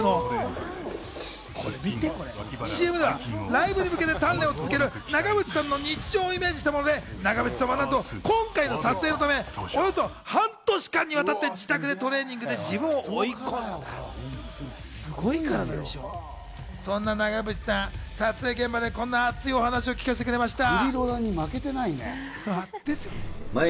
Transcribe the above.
ＣＭではライブに向けて鍛錬を続ける長渕さんの日常をイメージしたもので、長渕さんは今回の撮影のため、およそ半年間にわたって自宅のトレーニングで自分を追い込んできたそうですよ。そんな長渕さん、撮影現場でこんな熱いお話を聞かせてくれました。